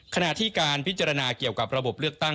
ขณะที่การพิจารณาเกี่ยวกับระบบเลือกตั้ง